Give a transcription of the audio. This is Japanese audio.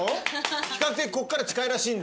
比較的ここから近いらしいんで。